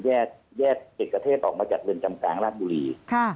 แยกเอกเทศออกมาจากเรือนจำกลางราชบุรี